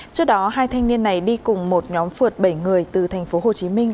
trước đó hai thanh niên này đi cùng một nhóm phượt bảy người từ thành phố hồ chí minh